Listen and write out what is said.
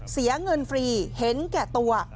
เสียเงินฟรีเห็นแก่ตัว